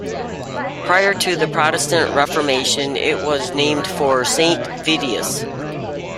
Prior to the Protestant Reformation it was named for Saint Vitus.